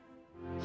amin ya allah